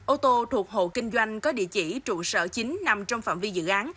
ô tô thuộc hộ kinh doanh có địa chỉ trụ sở chính nằm trong phạm vi dự án